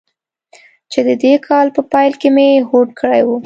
چې د دې کال په پیل کې مې هوډ کړی و.